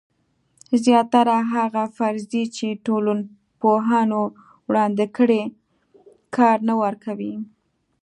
زیاتره هغه فرضیې چې ټولنپوهانو وړاندې کړي کار نه ورکوي.